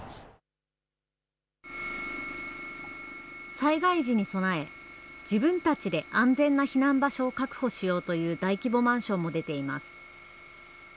災害時に備え、自分たちで安全な避難場所を確保しようという大規模マンションも出ています。